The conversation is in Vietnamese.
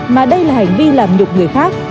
mà đây là hành vi làm nhục người khác